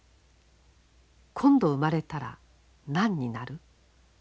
「今度生まれたら何になる？」。